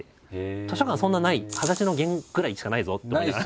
図書館そんなない「はだしのゲン」ぐらいしかないぞって。